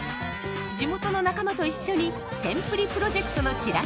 地元の仲間と一緒に「せん★プリ」プロジェクトのチラシを配ります。